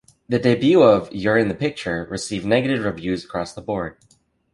The debut of "You're in the Picture" received negative reviews across the board.